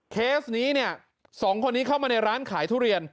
เคสนี้เนี่ยสองคนนี้เข้ามาในร้านขายทุเรียน